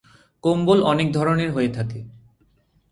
কম্বল অনেক ধরনের হয়ে থাকে।